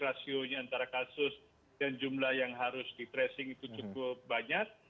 rasionya antara kasus dan jumlah yang harus di tracing itu cukup banyak